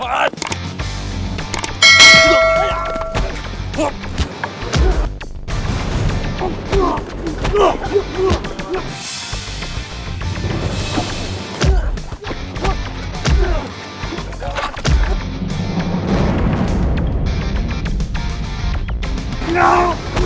masih berani lu ha